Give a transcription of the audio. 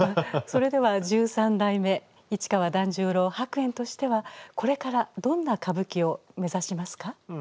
それでは十三代目市川團十郎白猿としてはこれからどんな歌舞伎を目指しますか？